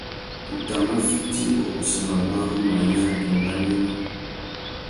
Tu tà mà fiti ukussa mabarú, manya tô mbanuénô.